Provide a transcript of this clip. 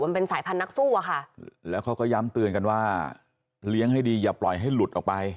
มันเป็นสายพันธนักสู้อะค่ะแล้วเขาก็ย้ำเตือนกันว่าเลี้ยงให้ดีอย่าปล่อยให้หลุดออกไป